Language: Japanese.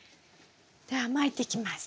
ではまいていきます。